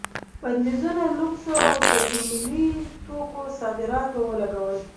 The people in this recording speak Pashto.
بندیزونو لوکسو او تجملي توکو صادراتو ولګول.